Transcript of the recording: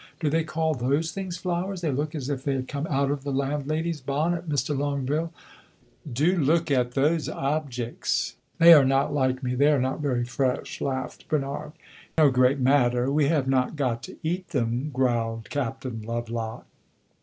Do they call those things flowers? They look as if they had come out of the landlady's bonnet! Mr. Longueville, do look at those objects." "They are not like me they are not very fresh," laughed Bernard. "It 's no great matter we have not got to eat them," growled Captain Lovelock.